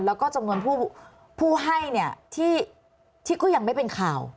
แล้วก็จำนวนผู้ให้เนี่ยที่ก็ยังไม่เป็นข่าว